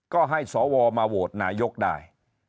ก็ให้สวมาโหวตนายกได้